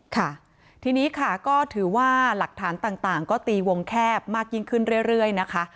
ค่ะทีนี้ค่ะก็ถือว่าหลักฐานต่างก็ตีวงแคบมากยิ่งขึ้นเรื่อยนะคะ